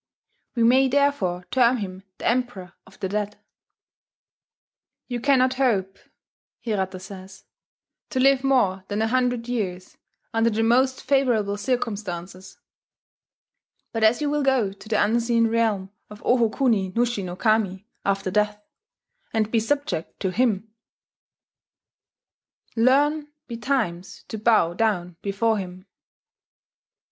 We may therefore term him the Emperor of the Dead. "You cannot hope," Hirata says, "to live more than a hundred years, under the most favourable circumstances; but as you will go to the Unseen Realm of Oho kuni nushi no Kami after death, and be subject to him, learn betimes to bow down before him."